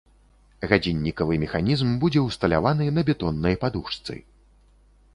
Гадзіннікавы механізм будзе ўсталяваны на бетоннай падушцы.